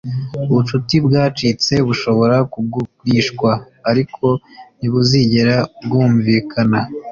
ubucuti bwacitse bushobora kugurishwa, ariko ntibuzigera bwumvikana.